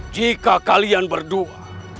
jika kalian berdua